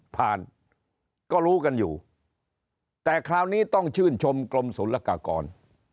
ผ่านก็รู้กันอยู่แต่คราวนี้ต้องชื่นชมกรมศูนย์ละกากร